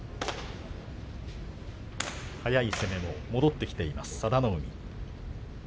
速い攻めも戻ってきている佐田の海。